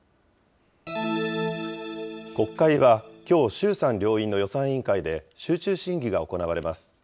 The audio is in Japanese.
国会はきょう、衆参両院の予算委員会で、集中審議が行われます。